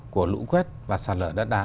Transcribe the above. của lũ quét và sạt lở đất đá